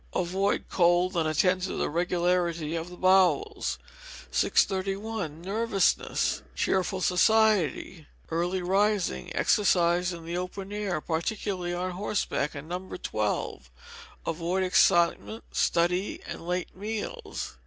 Avoid cold and attend to the regularity of the bowels. 631. Nervousness. Cheerful society, early rising, exercise in the open air, particularly on horseback, and No. 12. Avoid excitement, study, and late meals.